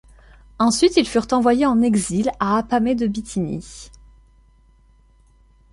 Ensuite ils furent envoyés en exil à Apamée de Bithynie.